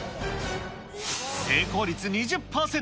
成功率２０％。